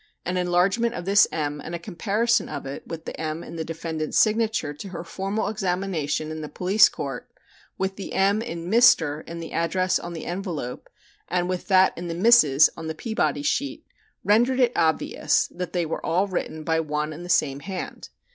An enlargement of this "M" and a comparison of it with the "M" in the defendant's signature to her formal examination in the police court, with the "M" in "Mr." in the address on the envelope and with that in the "Mrs." on the "Peabody sheet," rendered it obvious that they were all written by one and the same hand.